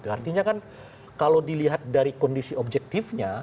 artinya kan kalau dilihat dari kondisi objektifnya